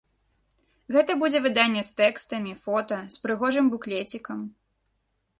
Гэта будзе выданне з тэкстамі, фота, з прыгожым буклецікам.